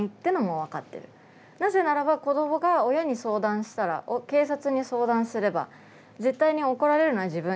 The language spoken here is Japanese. なぜならば子どもが親に相談したら警察に相談すれば絶対に怒られるのは自分。